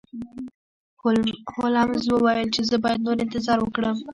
هولمز وویل چې زه باید نور انتظار وکړم.